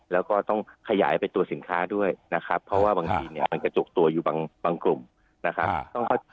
แล้วก็ต้องขยายไปตัวสินค้าด้วยนะครับเพราะว่าบางทีเนี่ยมันกระจุกตัวอยู่บางกลุ่มนะครับ